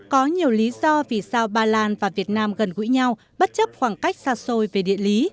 có nhiều lý do vì sao ba lan và việt nam gần gũi nhau bất chấp khoảng cách xa xôi về địa lý